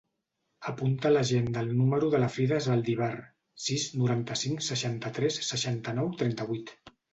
Apunta a l'agenda el número de la Frida Zaldivar: sis, noranta-cinc, seixanta-tres, seixanta-nou, trenta-vuit.